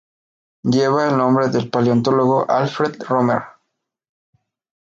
Lleva el nombre del paleontólogo Alfred Romer.